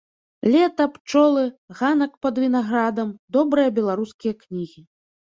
Лета, пчолы, ганак пад вінаградам, добрыя беларускія кнігі.